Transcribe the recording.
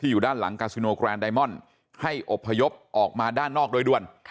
อยู่ด้านหลังกาซิโนแกรนไดมอนด์ให้อบพยพออกมาด้านนอกโดยด่วน